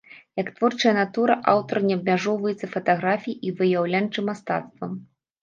Як творчая натура аўтар не абмяжоўваецца фатаграфіяй і выяўленчым мастацтвам.